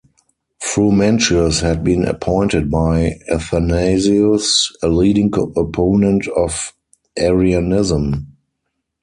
Frumentius had been appointed by Athanasius, a leading opponent of Arianism.